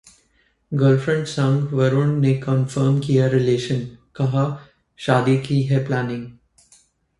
girlfriend संग वरुण ने confirm किया रिलेशन, कहा- शादी की है प्लानिंग